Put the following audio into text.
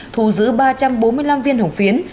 thu giữ ba trăm bốn mươi năm viên hồng phiến